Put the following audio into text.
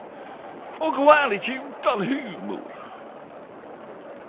Og ho er ikkje utan humor.